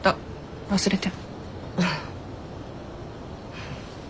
忘れて。